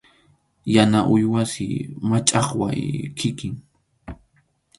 Yana uywasi, machʼaqway kikin.